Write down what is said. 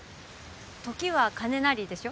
時は金なりでしょ？